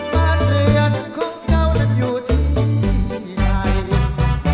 บ้านเรือนของเจ้านั้นอยู่ที่ไหน